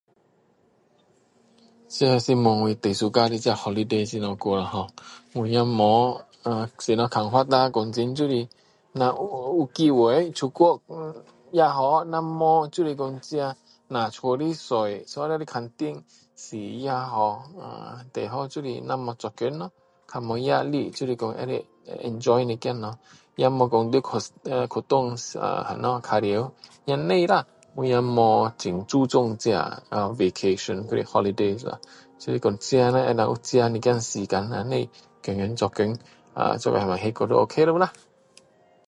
这是问我最喜欢的这holiday是什么过ho我也没呃什么看法啦讲真的若有有机会出国也好要不就是自己只在家里坐坐下来看电视也好呃最好就是没做工咯也没压力就是讲可以enjoy一点啦咯也没讲要去那里去玩也不用啦我也没很注重这啊啊vacation还是holidays啊就是讲自己叻自己有一点时间啦不用天天做工呃做到那么累啦就ok了啦